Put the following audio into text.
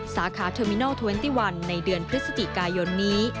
สาขาเทอร์มินัล๒๑ในเดือนพฤศจิกายนนี้